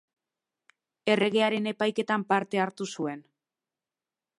Erregearen epaiketan parte hartu zuen.